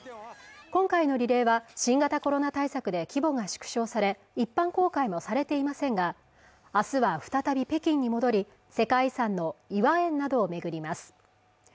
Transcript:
今回のリレーは新型コロナ対策で規模が縮小され一般公開もされていませんが明日は再び北京に戻り世界遺産の頤和園などを巡ります